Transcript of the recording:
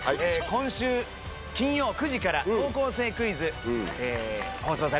今週金曜９時から『高校生クイズ』放送されます。